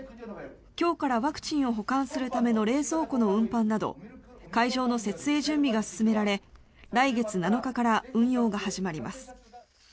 今日からワクチンを保管するための冷蔵庫の運搬など会場の設営準備が進められ来月７日から運用が始まります。